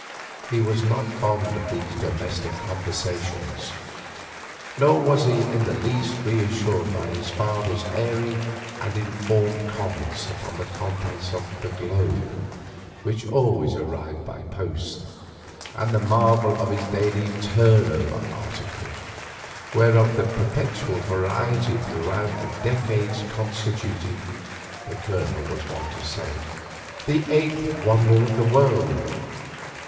He was not fond of these domestic conversations. Nor was he in the least reassured by his father's airy and informed comments upon the contents of the "Globe," which always arrived by post, and the marvel of its daily "turnover" article, whereof the perpetual variety throughout the decades constituted, the Colonel was wont to say, the eighth wonder of the world.